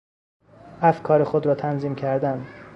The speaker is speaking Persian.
افکار خود را تنظیم کردن